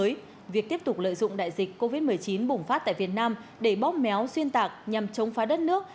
vì vậy việc tiếp tục lợi dụng đại dịch covid một mươi chín bùng phát tại việt nam để bóp méo xuyên tạc nhằm chống phá đất nước